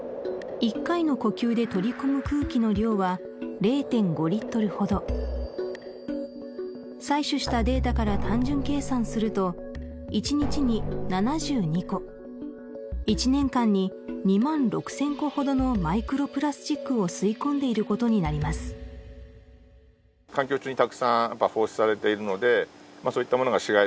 １回の呼吸で取り込む空気の量は０．５リットルほど採取したデータから単純計算すると１日に７２個１年間に２万６０００個ほどのマイクロプラスチックを吸い込んでいることになりますと思います